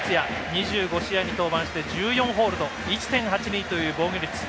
２５試合に登板して１４ホールド１．８２という防御率。